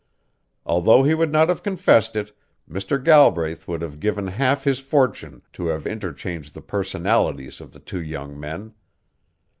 Although he would not have confessed it, Mr. Galbraith would have given half his fortune to have interchanged the personalities of the two young men.